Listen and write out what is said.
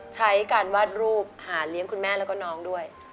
ใช้การวาดรูปหาเลี้ยงคุณแม่แล้วก็น้องด้วย